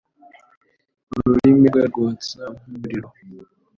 ururimi rwe rwotsa nk’umuriro